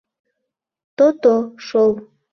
То-то шол.